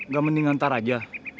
gak mending ntar aja